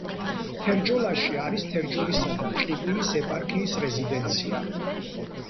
თერჯოლაში არის თერჯოლისა და ტყიბულის ეპარქიის რეზიდენცია.